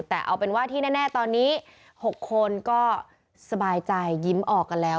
แต่เอาเป็นว่าที่แน่ตอนนี้๖คนก็สบายใจยิ้มออกกันแล้ว